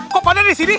kok pade disini